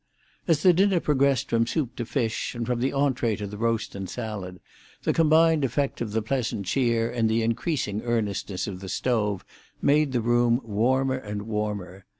As the dinner progressed from soup to fish, and from the entrée to the roast and salad, the combined effect of the pleasant cheer and the increasing earnestness of the stove made the room warmer and warmer.